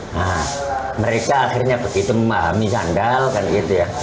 nah mereka akhirnya begitu memahami sandal kan gitu ya